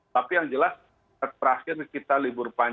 tapi yang jelas terakhir kita libur panjang